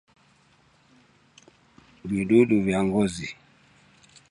Vinundu vya Ngozi